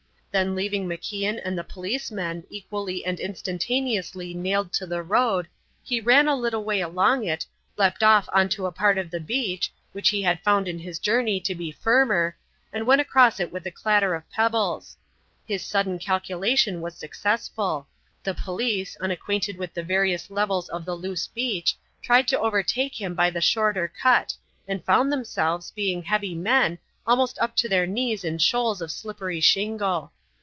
Then leaving MacIan and the policemen equally and instantaneously nailed to the road, he ran a little way along it, leapt off on to a part of the beach, which he had found in his journey to be firmer, and went across it with a clatter of pebbles. His sudden calculation was successful; the police, unacquainted with the various levels of the loose beach, tried to overtake him by the shorter cut and found themselves, being heavy men, almost up to their knees in shoals of slippery shingle.